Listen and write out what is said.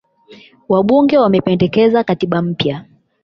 Wabunge wamependekeza katiba mpya.